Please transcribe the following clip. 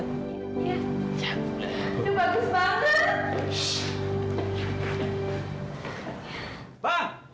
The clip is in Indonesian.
itu bagus banget